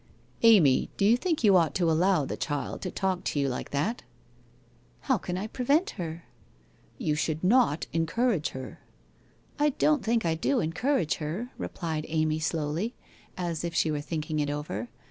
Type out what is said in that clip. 1 Amy, do you think you ought to allow the child to talk to you like that?' ' How can 1 prevent her? '' You should not encourage her.' ' I don't tli ink T do encourage her,' replied Amy slowly, as if she were thinking it over.